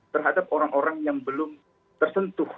terhadap orang orang yang belum tersentuh